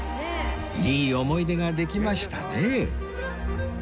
いい思い出ができましたね